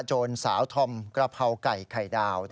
โจรสาวธอมกระเพราไก่ไข่ดาว